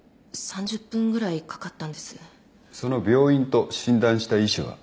その病院と診断した医師は？